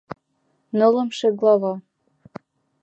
НЫЛЫМШЕ ГЛАВА